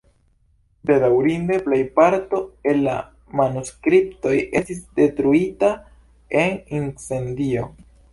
Bedaŭrinde, plejparto el la manuskriptoj estis detruita en incendio.